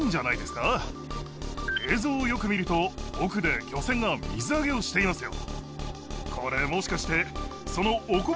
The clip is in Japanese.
映像をよく見ると奥で漁船が水揚げをしていますよ。